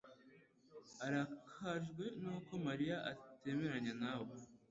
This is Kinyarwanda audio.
arakajwe nuko Mariya atemeranya nawe.